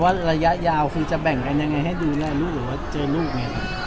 ระยะยาวคือจะแบ่งกันยังไงให้ดูแลลูกหรือว่าเจอลูกไงครับ